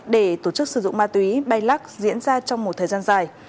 để tổ chức sử dụng ma túy bay lắc diễn ra trong một thời gian dài